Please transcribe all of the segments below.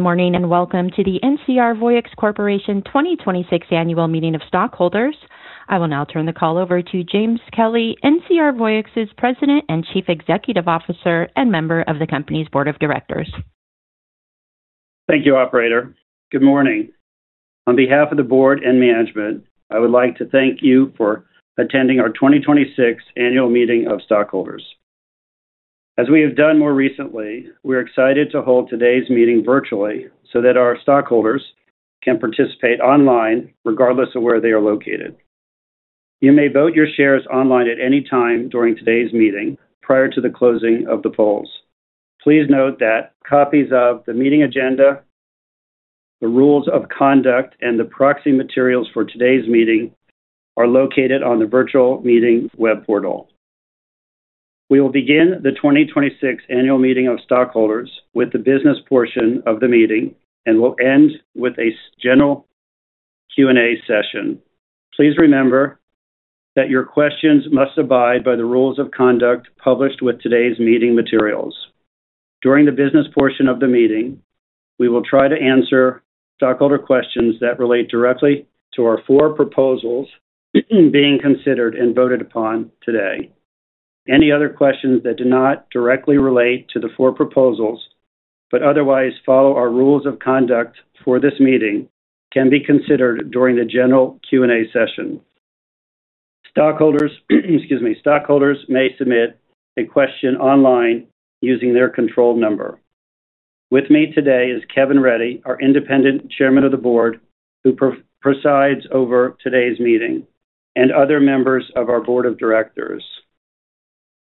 Good morning, and welcome to the NCR Voyix Corporation 2026 Annual Meeting of Stockholders. I will now turn the call over to James Kelly, NCR Voyix's President and Chief Executive Officer and member of the company's Board of Directors. Thank you, Operator. Good morning. On behalf of the Board and Management, I would like to thank you for attending our 2026 Annual Meeting of Stockholders. As we have done more recently, we're excited to hold today's meeting virtually so that our stockholders can participate online regardless of where they are located. You may vote your shares online at any time during today's meeting prior to the closing of the polls. Please note that copies of the meeting agenda, the rules of conduct, and the proxy materials for today's meeting are located on the virtual meeting web portal. We will begin the 2026 annual meeting of stockholders with the business portion of the meeting and will end with a general Q&A session. Please remember that your questions must abide by the rules of conduct published with today's meeting materials. During the business portion of the meeting, we will try to answer stockholder questions that relate directly to our four proposals being considered and voted upon today. Any other questions that do not directly relate to the four proposals but otherwise follow our rules of conduct for this meeting can be considered during the general Q&A session. Stockholders may submit a question online using their control number. With me today is Kevin Reddy, our Independent Chairman of the Board, who presides over today's meeting, and other members of our Board of Directors.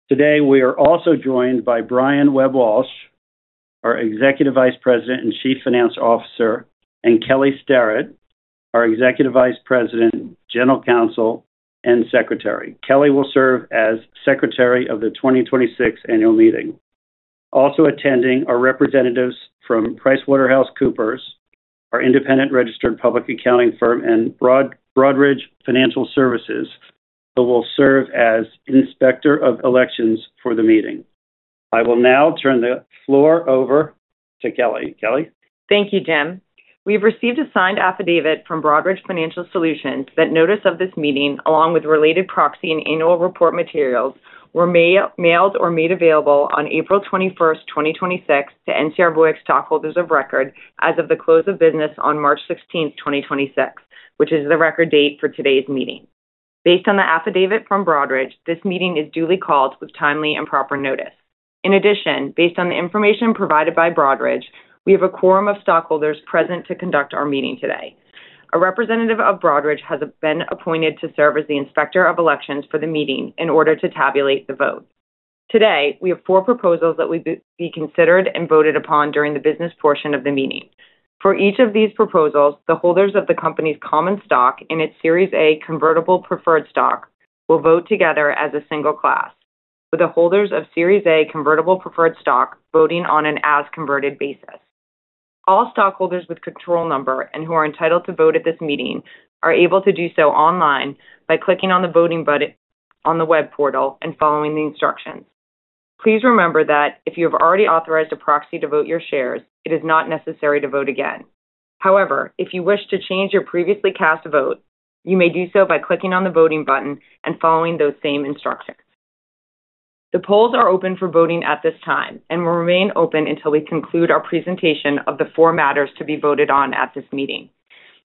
Today, we are also joined by Brian Webb-Walsh, our Executive Vice President and Chief Financial Officer, and Kelli Sterrett, our Executive Vice President, General Counsel, and Secretary. Kelli will serve as Secretary of the 2026 Annual Meeting. Also attending are representatives from PricewaterhouseCoopers, our independent registered public accounting firm, and Broadridge Financial Solutions, who will serve as Inspector of Elections for the meeting. I will now turn the floor over to Kelli. Kelli? Thank you, Jim. We have received a signed affidavit from Broadridge Financial Solutions that notice of this meeting, along with related proxy and annual report materials, were mailed or made available on April 21st, 2026, to NCR Voyix stockholders of record as of the close of business on March 16th, 2026, which is the record date for today's meeting. Based on the affidavit from Broadridge, this meeting is duly called with timely and proper notice. Based on the information provided by Broadridge, we have a quorum of stockholders present to conduct our meeting today. A representative of Broadridge has been appointed to serve as the Inspector of Elections for the meeting in order to tabulate the votes. Today, we have four proposals that will be considered and voted upon during the business portion of the meeting. For each of these proposals, the holders of the company's common stock and its Series A convertible preferred stock will vote together as a single class, with the holders of Series A convertible preferred stock voting on an as-converted basis. All stockholders with control number and who are entitled to vote at this meeting are able to do so online by clicking on the voting button on the web portal and following the instructions. Please remember that if you have already authorized a proxy to vote your shares, it is not necessary to vote again. However, if you wish to change your previously cast vote, you may do so by clicking on the voting button and following those same instructions. The polls are open for voting at this time and will remain open until we conclude our presentation of the four matters to be voted on at this meeting.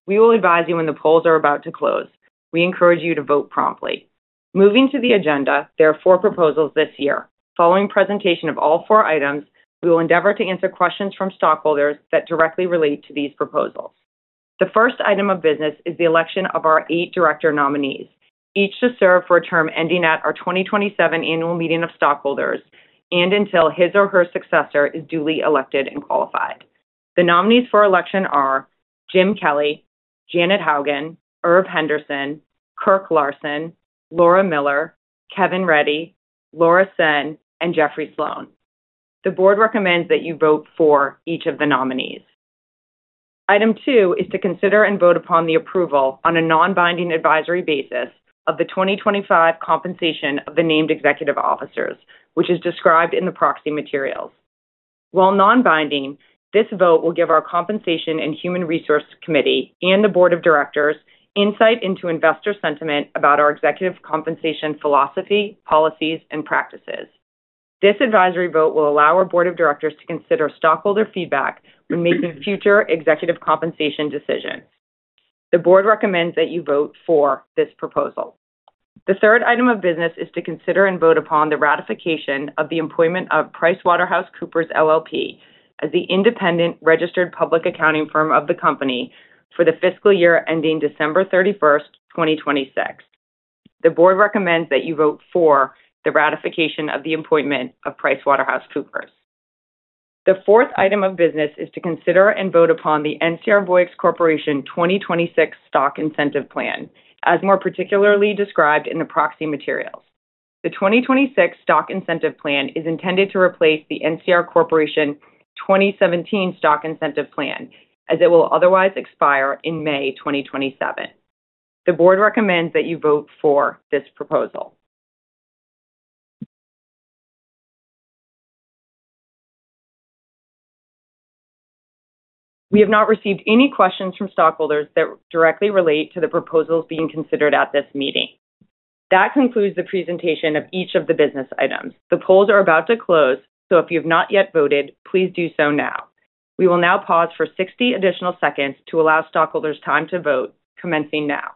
We will advise you when the polls are about to close. We encourage you to vote promptly. Moving to the agenda, there are four proposals this year. Following presentation of all four items, we will endeavor to answer questions from stockholders that directly relate to these proposals. The first item of business is the election of our eight director nominees, each to serve for a term ending at our 2027 annual meeting of stockholders and until his or her successor is duly elected and qualified. The nominees for election are Jim Kelly, Janet Haugen, Irv Henderson, Kirk Larsen, Laura Miller, Kevin Reddy, Laura Sen, and Jeffrey Sloan. The Board recommends that you vote for each of the nominees. Item two is to consider and vote upon the approval on a non-binding advisory basis of the 2025 compensation of the named executive officers, which is described in the proxy materials. While non-binding, this vote will give our Compensation and Human Resource Committee and the Board of Directors insight into investor sentiment about our executive compensation philosophy, policies, and practices. This advisory vote will allow our Board of Directors to consider stockholder feedback when making future executive compensation decisions. The Board recommends that you vote for this proposal. The third item of business is to consider and vote upon the ratification of the appointment of PricewaterhouseCoopers LLP as the independent registered public accounting firm of the company for the fiscal year ending December 31st, 2026. The Board recommends that you vote for the ratification of the appointment of PricewaterhouseCoopers. The fourth item of business is to consider and vote upon the NCR Voyix Corporation 2026 Stock Incentive Plan, as more particularly described in the proxy materials. The 2026 Stock Incentive Plan is intended to replace the NCR Corporation 2017 Stock Incentive Plan, as it will otherwise expire in May 2027. The Board recommends that you vote for this proposal. We have not received any questions from stockholders that directly relate to the proposals being considered at this meeting. That concludes the presentation of each of the business items. The polls are about to close, so if you have not yet voted, please do so now. We will now pause for 60 additional seconds to allow stockholders time to vote, commencing now.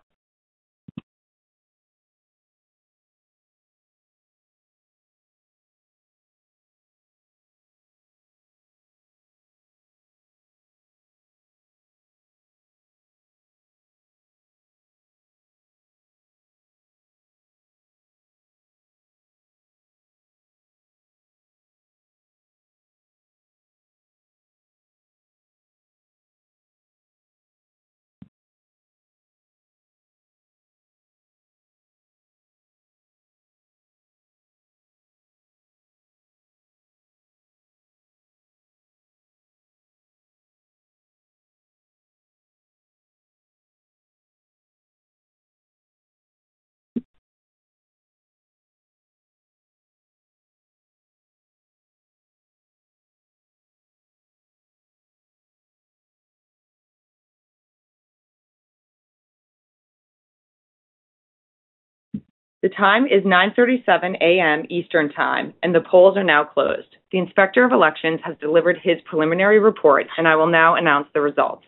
The time is 9:37 A.M. Eastern Time, and the polls are now closed. The Inspector of Elections has delivered his preliminary report, and I will now announce the results.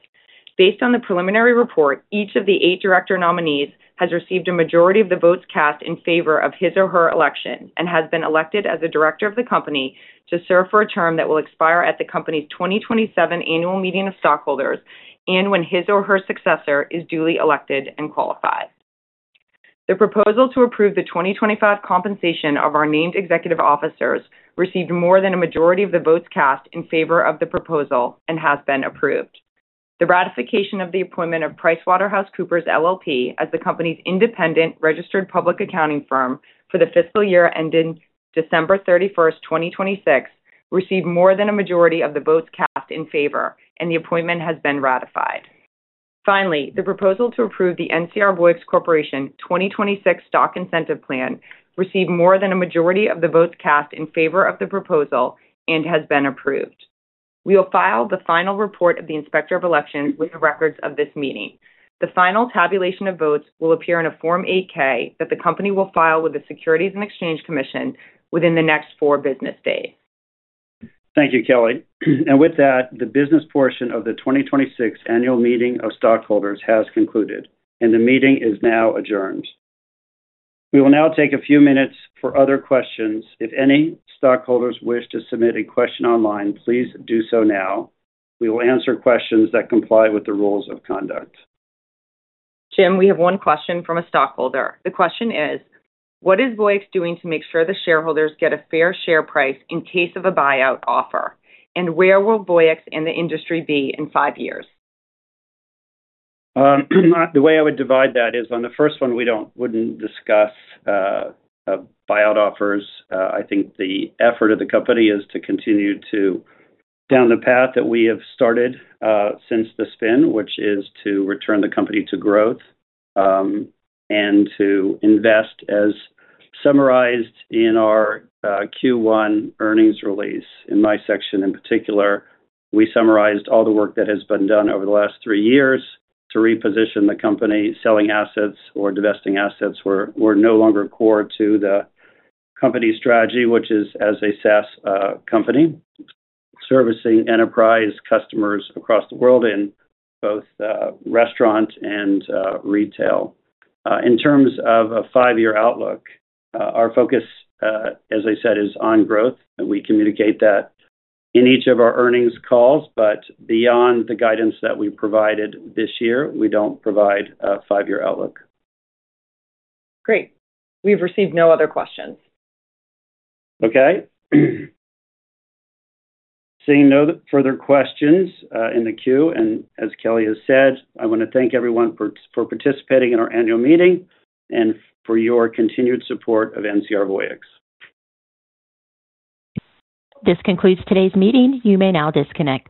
Based on the preliminary report, each of the eight director nominees has received a majority of the votes cast in favor of his or her election and has been elected as a Director of the company to serve for a term that will expire at the company's 2027 annual meeting of stockholders and when his or her successor is duly elected and qualified. The proposal to approve the 2025 compensation of our named executive officers received more than a majority of the votes cast in favor of the proposal and has been approved. The ratification of the appointment of PricewaterhouseCoopers LLP as the company's independent registered public accounting firm for the fiscal year ending December 31st, 2026, received more than a majority of the votes cast in favor, and the appointment has been ratified. Finally, the proposal to approve the NCR Voyix Corporation 2026 Stock Incentive Plan received more than a majority of the votes cast in favor of the proposal and has been approved. We will file the final report of the Inspector of Elections with the records of this meeting. The final tabulation of votes will appear in a Form 8-K that the company will file with the Securities and Exchange Commission within the next four business days. Thank you, Kelli. With that, the business portion of the 2026 annual meeting of stockholders has concluded, and the meeting is now adjourned. We will now take a few minutes for other questions. If any stockholders wish to submit a question online, please do so now. We will answer questions that comply with the rules of conduct. Jim, we have one question from a stockholder. The question is: What is Voyix doing to make sure the shareholders get a fair share price in case of a buyout offer? Where will Voyix and the industry be in five years? The way I would divide that is, on the first one, we wouldn't discuss buyout offers. I think the effort of the company is to continue down the path that we have started since the spin, which is to return the company to growth, and to invest, as summarized in our Q1 earnings release. In my section, in particular, we summarized all the work that has been done over the last three years to reposition the company. Selling assets or divesting assets were no longer core to the company strategy, which is as a SaaS company servicing enterprise customers across the world in both restaurant and retail. In terms of a five-year outlook, our focus, as I said, is on growth, and we communicate that in each of our earnings calls. Beyond the guidance that we provided this year, we don't provide a five-year outlook. Great. We've received no other questions. Okay. Seeing no further questions in the queue, and as Kelli has said, I want to thank everyone for participating in our annual meeting and for your continued support of NCR Voyix. This concludes today's meeting. You may now disconnect.